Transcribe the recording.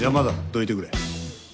どいてくれ。